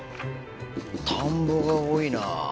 田んぼが多いなあ